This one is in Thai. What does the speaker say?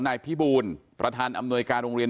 นายพิบูลประธานอำนวยการโรงเรียน